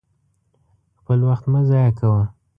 خپل وخت مه ضايع کوه!